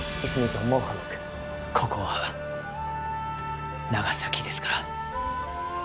ここは長崎ですから。